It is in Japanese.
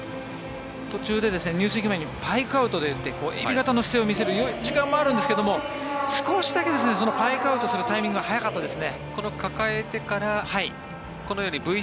途中で入水前にパイクアウトエビ型の姿勢を見せる時間もあるんですけど少しだけパイクアウトするタイミングが早かったですね。